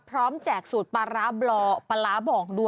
พร้อมแจกสูตรปลาร้าบลอปลาร้าบองด้วย